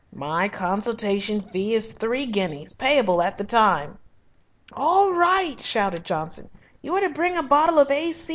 "My consultation fee is three guineas, payable at the time." "All right," shouted Johnson. "You are to bring a bottle of A.